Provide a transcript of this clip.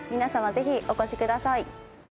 ぜひお越しください。